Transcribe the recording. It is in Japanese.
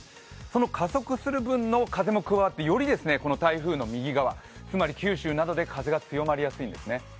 その加速する分の風も加わってより台風の右側つまり九州などで風が強まりやすいんですね。